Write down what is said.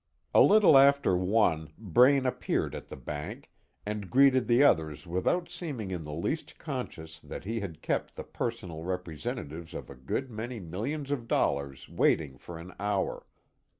A little after one, Braine appeared at the bank, and greeted the others without seeming in the least conscious that he had kept the personal representatives of a good many millions of dollars waiting for an hour.